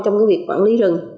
trong việc quản lý rừng